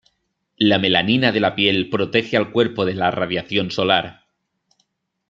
La melanina de la piel protege al cuerpo de la radiación solar.